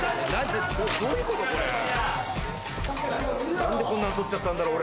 何でこんなの取っちゃったんだろう俺。